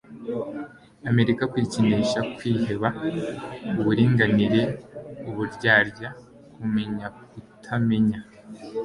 Amerika kwikinisha kwiheba uburinganire uburyarya kumenyakutamenya